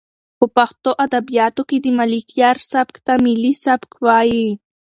په پښتو ادبیاتو کې د ملکیار سبک ته ملي سبک وایي.